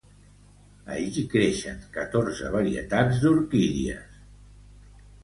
Allí creixen catorze varietats d'orquídies.